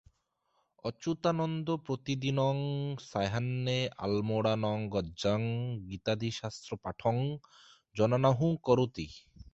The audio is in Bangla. অচ্যুতানন্দ প্রতিদিনং সায়াহ্ণে আলমোড়ানগর্যাং গীতাদিশাস্ত্রপাঠং জনানাহূয় করোতি।